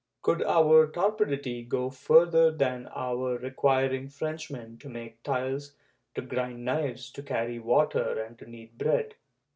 Could our torpidity go further than our requiring Frenchmen to makes tiles, to grind knives, to carry water and to knead bread